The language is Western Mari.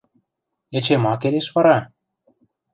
Эче ма келеш вара?